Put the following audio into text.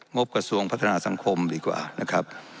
บกระทรวงพัฒนาสังคมดีกว่านะครับ